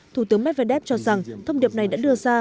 thủ tướng medvedev cho rằng thông điệp này đã đưa ra